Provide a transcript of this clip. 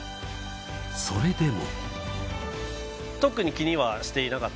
それでも